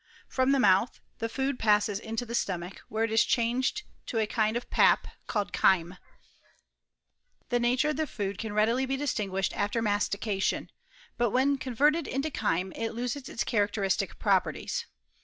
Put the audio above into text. From the mouth the food passes into the stomachy where it is changed to a kind of pap called chyme. The nature of the food can readily be distinguished after mastication ; but when converted into chyme, it loses its characteristic properties.